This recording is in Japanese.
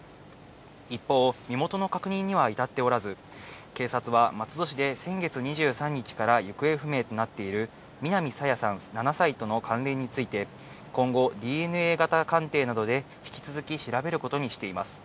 一方、身元の確認には至っておらず、警察は松戸市で先月２３日から行方不明となっている南朝芽さん７歳との関連について、今後、ＤＮＡ型鑑定などで引き続き調べることにしています。